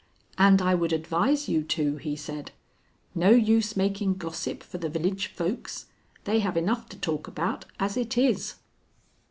"And I would advise you to," he said. "No use making gossip for the village folks. They have enough to talk about as it is."